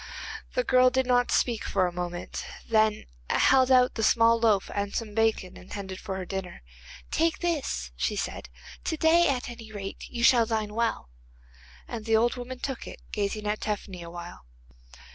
The girl did not speak for a moment, then held out the small loaf and some bacon intended for her dinner. 'Take this,' she said; 'to day at any rate you shall dine well,' and the old woman took it, gazing at Tephany the while.